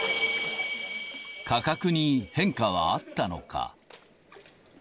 価格に変化はあったのか？